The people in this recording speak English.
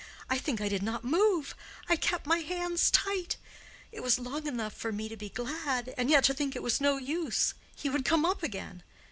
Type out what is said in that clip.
I think I did not move. I kept my hands tight. It was long enough for me to be glad, and yet to think it was no use—he would come up again.